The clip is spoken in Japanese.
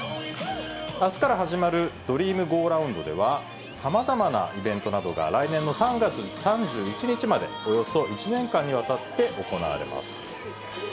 あすから始まるドリームゴーラウンドでは、さまざまなイベントなどが、来年の３月３１日まで、およそ１年間にわたって行われます。